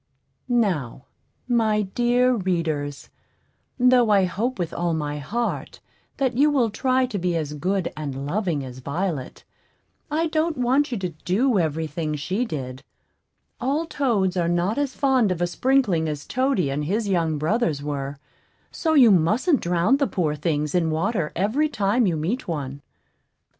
Now, my dear readers, though I hope with all my heart that you will try to be as good and loving as Violet, I don't want you to do every thing she did. All toads are not as fond of a sprinkling as Toady and his young brothers were; so you mustn't drown the poor things in water every time you meet one.